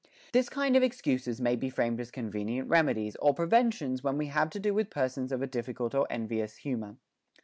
12. This kind of excuses may be framed as convenient remedies or preventions when we have to do with persons of a ditficult or envious humor.